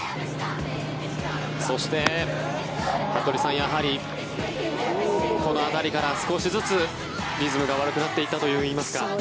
そして、服部さんやはりこの辺りから少しずつリズムが悪くなっていったといいますか。